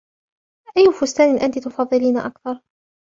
أي فستان أنتِ تفضلين أكثر ؟